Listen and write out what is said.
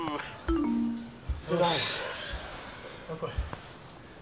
お疲れさまです。